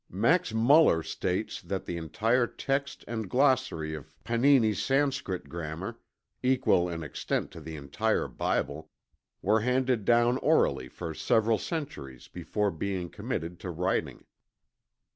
Max Muller states that the entire text and glossary of Panini's Sanscrit grammar, equal in extent to the entire Bible, were handed down orally for several centuries before being committed to writing.